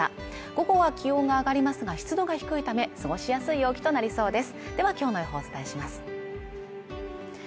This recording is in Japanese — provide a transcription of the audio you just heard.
午後は気温が上がりますが湿度が低いため過ごしやすい陽気となりそうです